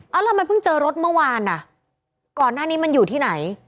แล้วทำไมเพิ่งเจอรถเมื่อวานอ่ะก่อนหน้านี้มันอยู่ที่ไหน